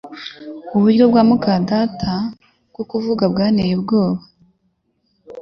Uburyo bwa muka data bwo kuvuga bwanteye ubwoba